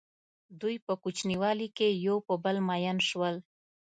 دوی په کوچنیوالي کې په یو بل مئین شول.